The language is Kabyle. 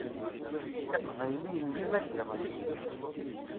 Iqbayliyen d imaziɣen.